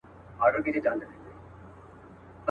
هغه د شنې ویالې پر څنډه شنه ولاړه ونه.